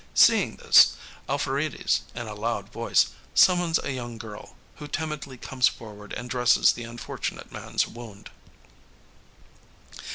Seeing this, Alpharides, in a loud voice, summons a young girl, who timidly comes forward and dresses the unfortunate man's wound.